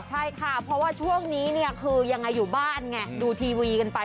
ใช่ค่ะเพราะว่าช่วงนี้เนี่ยคือยังไงอยู่บ้านไงดูทีวีกันไป